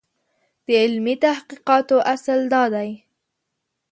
د علمي تحقیقاتو اصل دا دی.